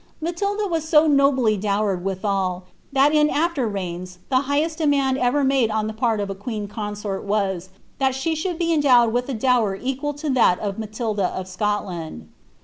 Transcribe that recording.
Matilda was so nobly dowered withal, that in after reicns the highest demand ever made on the part of a queen consort was, that she should be endowed with a dower equal to that of Matilda of Scotland.